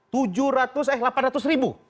tujuh ratus eh delapan ratus ribu